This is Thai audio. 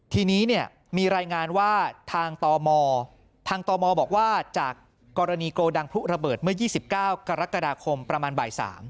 ทีนี้เนี่ยมีรายงานว่าทางตมทางตมบอกว่าจากกรณีโกดังพลุระเบิดเมื่อ๒๙กรกฎาคมประมาณบ่าย๓